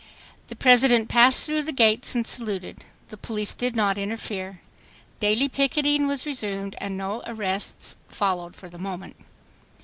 The President passed through the gates and saluted. The police did not interfere. Daily picketing was resumed and no arrests followed for the moment.